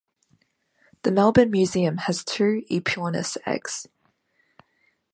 The Melbourne Museum has two "Aepyornis" eggs.